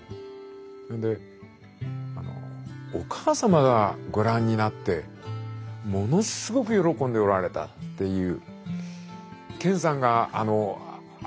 それであのお母様がご覧になってものすごく喜んでおられたっていう。